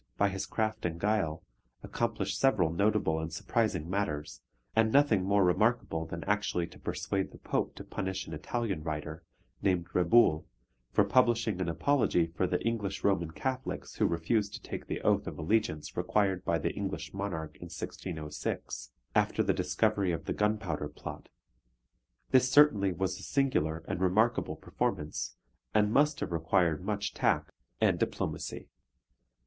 by his craft and guile, accomplished several notable and surprising matters, and nothing more remarkable than actually to persuade the Pope to punish an Italian writer, named Reboul, for publishing an apology for the English Roman Catholics who refused to take the oath of allegiance required by the English monarch in 1606, after the discovery of the gunpowder plot. This certainly was a singular and remarkable performance, and must have required much tact and diplomacy.